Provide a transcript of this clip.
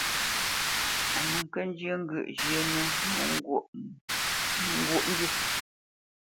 A nə kə́ njyə́ ŋgyə̂ʼ zhyə́nə̄ nǒ ŋgwǒʼmbî.